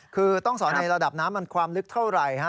คือต้องสอนในระดับน้ำมันความลึกเท่าไหร่ฮะ